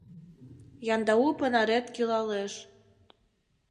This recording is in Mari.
Яндау понарет кӱлалеш.